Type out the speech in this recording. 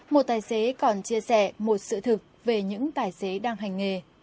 một tài xế còn chia sẻ một sự thực về những tài xế đang hành nghề